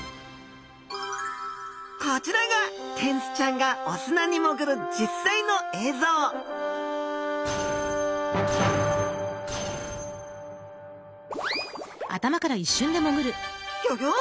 こちらがテンスちゃんがお砂にもぐる実際の映像ギョギョ！